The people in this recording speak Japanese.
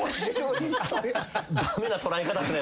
駄目な捉え方ですね